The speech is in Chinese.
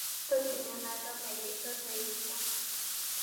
这几年来的每一分一秒